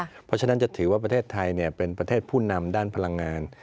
เพราะฉะนั้นจะถือว่าประเทศไทยเป็นประเทศผู้นำด้านพลังงาน